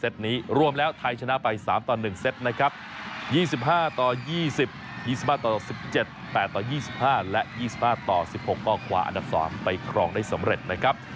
สวัสดีครับ